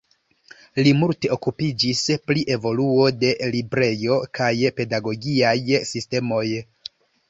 Li multe okupiĝis pri evoluo de librejo kaj pedagogiaj sistemoj.